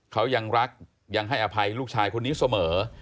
เขายังรักยังให้อภัยลูกชายคนนี้เสมอ